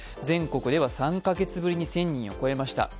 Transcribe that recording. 全国では３カ月ぶりに１０００人を超えました。